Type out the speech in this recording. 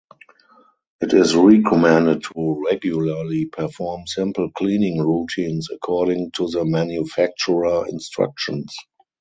It is recommended to regularly perform simple cleaning routines according to the manufacturer instructions.